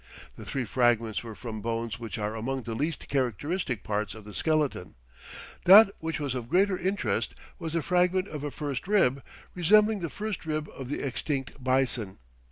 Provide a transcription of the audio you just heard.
The three fragments were from bones which "are among the least characteristic parts of the skeleton." That which was of greatest interest was the fragment of a first rib, resembling the first rib of the extinct bison.